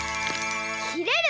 「きれる」！